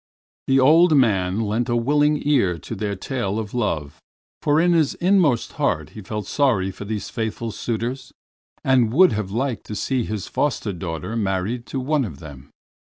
The old man lent a willing ear to their tale of love, for in his inmost heart he felt sorry for these faithful suitors and would have liked to see his lovely foster daughter married to one of them.